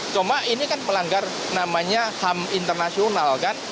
cuma ini kan melanggar namanya ham internasional kan